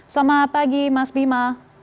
selamat pagi mas bima